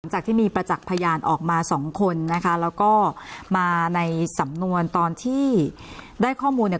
จากที่มีประจักษ์พยานออกมาสองคนนะคะแล้วก็มาในสำนวนตอนที่ได้ข้อมูลเนี่ย